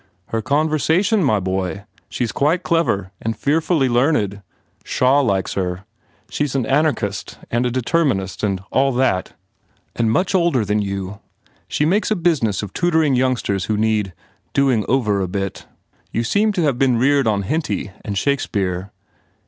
"Her conversation, my boy. She s quite clever and fearfully learned. Shaw likes her. She s an anarchist and a determinist and all that and much older than you. She makes a business of tutoring youngsters who need doing over a bit. You seem to have been reared on Henty and Shakespeare.